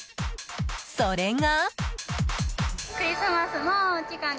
それが。